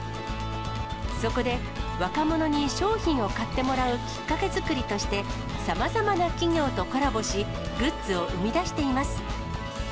そこで、若者に商品を買ってもらうきっかけ作りとして、さまざまな企業とコラボし、グッズを生み出しています。